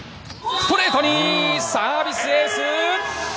ストレートにサービスエース！